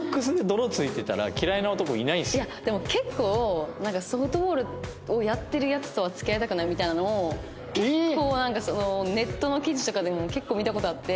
いやでも結構なんかソフトボールをやってるヤツとは付き合いたくないみたいなのを結構ネットの記事とかでも結構見た事があって。